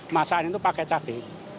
masaannya itu pakai cabai